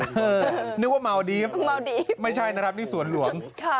เหมือนเมาดีกไม่ใช่รักนี่สวนหลวง